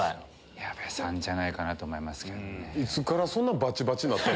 矢部さんじゃないかなと思いますけどね。